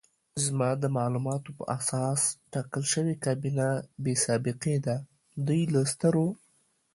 زما د معلوماتو په اساس ټاکل شوې کابینه بې سابقې ده، دوی له سترو